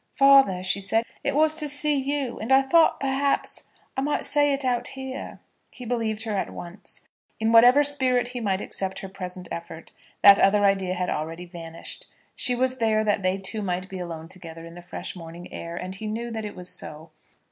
"Father," she said, "it was to see you. And I thought, perhaps, I might say it out here." He believed her at once. In whatever spirit he might accept her present effort, that other idea had already vanished. She was there that they two might be alone together in the fresh morning air, and he knew that it was so.